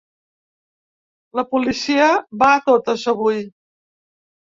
La policia va a totes avui.